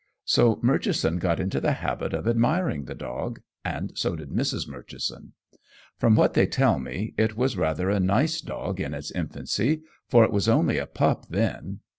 So Murchison got into the habit of admiring the dog, and so did Mrs. Murchison. From what they tell me, it was rather a nice dog in its infancy, for it was only a pup then.